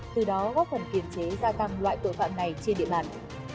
từ đó góp phần kiềm chế gia tăng loại tội phạm này trên địa bàn